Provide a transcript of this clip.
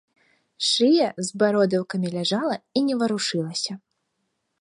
Шыя з бародаўкамі ляжала і не варушылася.